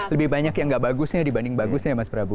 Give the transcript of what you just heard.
lebih banyak yang gak bagusnya dibanding bagusnya ya mas prabu